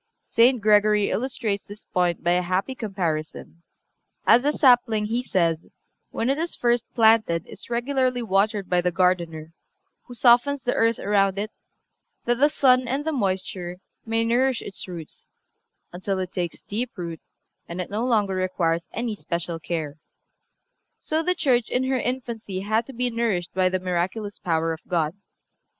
St. Gregory illustrates this point by a happy comparison: As the sapling, he says, when it is first planted is regularly watered by the gardener, who softens the earth around it, that the sun and the moisture may nourish its roots until it takes deep root and it no longer requires any special care, so the Church in her infancy had to be nourished by the miraculous power of God.